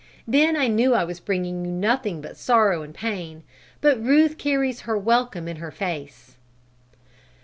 Then I knew I was bringing you nothing but sorrow and pain, but Ruth carries her welcome in her face."